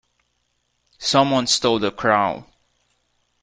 Someone stole the crown!